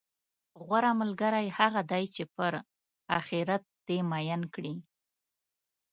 غوره ملګری هغه دی، چې پر اخرت دې میین کړي،